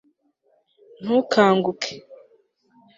ntukanguke